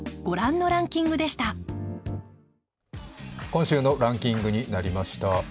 今週のランキングになりました。